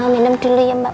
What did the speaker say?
minum dulu ya mbak